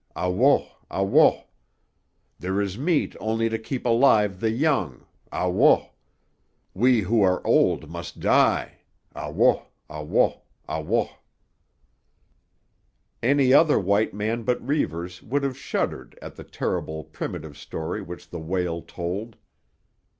Ah wo, ah wo! There is meat only to keep alive the young. Ah wo! We who are old must die. Ah wo! Ah wo! Ah wo! Any other white man but Reivers would have shuddered at the terrible, primitive story which the wail told.